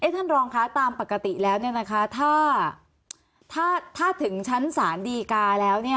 ท่านรองคะตามปกติแล้วถ้าถึงชั้นศาลดีกาแล้ว